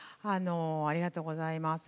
ありがとうございます。